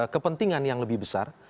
kepentingan yang lebih besar